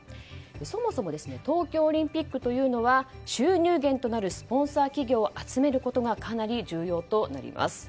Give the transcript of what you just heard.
そもそも東京オリンピックというのは収入源となるスポンサー企業を集めることがかなり重要となります。